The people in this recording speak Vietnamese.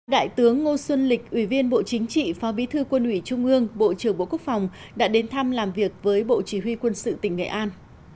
đại tướng ngô xuân lịch ủy viên bộ chính trị phó bí thư quân ủy trung ương bộ trưởng bộ quốc phòng đã đến thăm làm việc với bộ chỉ huy quân sự tỉnh nghệ an